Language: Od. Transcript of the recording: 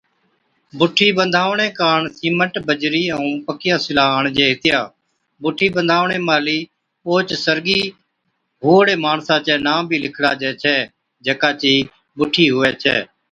بُٺِي ٻنڌاوَڻي ڪاڻ سِيمٽ، بجرِي ائُون پڪِيا سِلھا آڻجي ھِتيا، بُٺِي ٻانڌڻي مھلِي اوھچ سرگِي ھئُوڙي ماڻسا چَي نان بِي لِکڙاجي ڇَي، جڪا چِي بُٺِي ھُوَي ڇَي